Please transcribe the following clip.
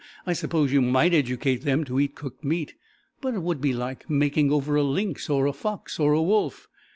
I suppose you might educate them to eat cooked meat, but it would be like making over a lynx or a fox or a wolf.